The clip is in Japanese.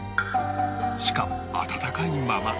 しかも温かいまま